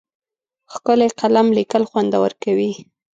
ښکلی قلم لیکل خوندور کوي.